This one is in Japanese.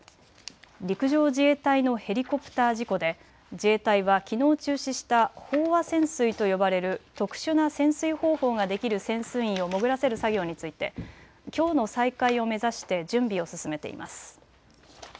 陸上自衛隊のヘリコプター事故で自衛隊はきのう中止した飽和潜水と呼ばれる特殊な潜水方法ができる潜水員を潜らせる作業についてきょうの再開を目指して準備を進めています。